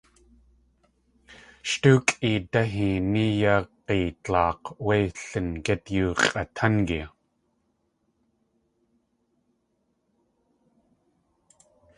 Sh tóokʼ eedaheení yakg̲eedláak̲ wé Lingít yoo x̲ʼatángi.